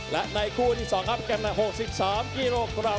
และในกูที่สองครับกำหนักหกสิบสามกิโลกรัม